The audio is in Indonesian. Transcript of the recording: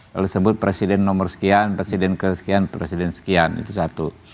kalau disebut presiden nomor sekian presiden kesekian presiden sekian itu satu